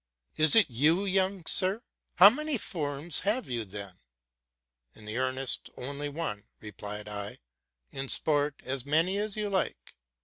Is it you, sir' How many forms have you, then? ''—'* In earnest only one,'' replied I: '' in sport as many as you like.